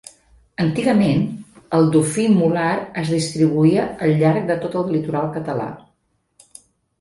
Antigament, el dofí mular es distribuïa al llarg de tot el litoral català.